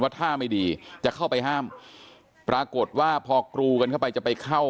ท่าไม่ดีจะเข้าไปห้ามปรากฏว่าพอกรูกันเข้าไปจะไปเข้า